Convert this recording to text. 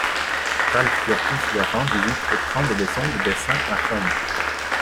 Ralph Curtis leur rend visite et prend des leçons de dessin à Rome.